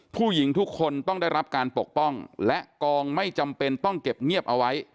ผู้หญิงทุกคนต้องได้รับการปกป้องและกองไม่จำเป็นต้องเก็บเงียบเอาไว้